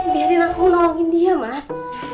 biarin aku nolongin dia mas